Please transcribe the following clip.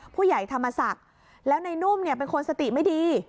ผู้ใหญ่ธรรมศักดิ์แล้วในนุ่มเนี่ยเป็นคนสติไม่ดี